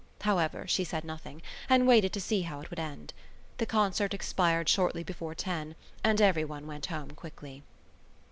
However, she said nothing and waited to see how it would end. The concert expired shortly before ten, and everyone went home quickly.